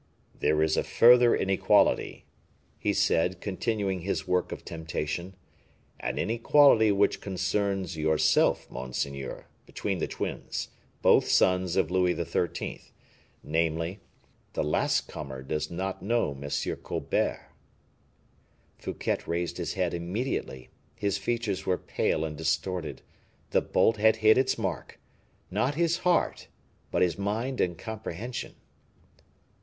"There is a further inequality," he said, continuing his work of temptation, "an inequality which concerns yourself, monseigneur, between the twins, both sons of Louis XIII., namely, the last comer does not know M. Colbert." Fouquet raised his head immediately his features were pale and distorted. The bolt had hit its mark not his heart, but his mind and comprehension.